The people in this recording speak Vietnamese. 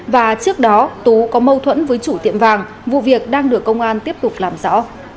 và trước đó tú có mâu thuẫn với chủ tiệm vàng vụ việc đang được công an tiếp tục làm rõ